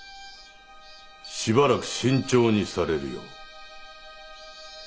しばらく慎重にされるよう。